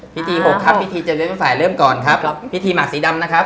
พิธี๖ครับพิธีเจริญวภัยเริ่มก่อนครับพิธีหมากสีดำนะครับ